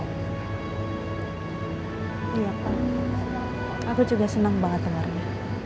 iya pak aku juga senang banget warna